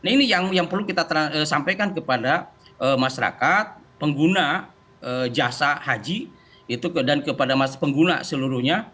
nah ini yang perlu kita sampaikan kepada masyarakat pengguna jasa haji dan kepada pengguna seluruhnya